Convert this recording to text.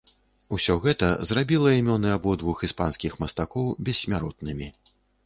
Усё гэта зрабіла імёны абодвух іспанскіх мастакоў бессмяротнымі.